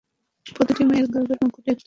প্রতিটি মেয়ের গর্বের মুকুট, এক চিমটি সিদুর।